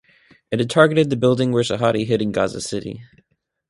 It had targeted the building where Shahade hid in Gaza City.